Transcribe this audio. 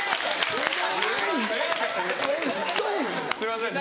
すいませんね。